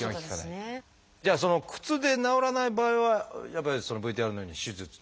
じゃあその靴で治らない場合はやっぱりＶＴＲのように手術。